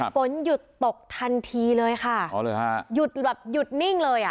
ฝนหยุดตกทันทีเลยค่ะอ๋อเลยฮะหยุดแบบหยุดนิ่งเลยอ่ะ